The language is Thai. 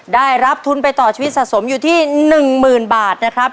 ได้รับทุนไปต่อชีวิตสะสมอยู่ที่๑๐๐๐บาทนะครับ